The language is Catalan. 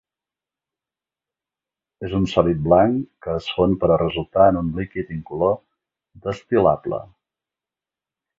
És un sòlid blanc que es fon per a resultar en un líquid incolor destil·lable.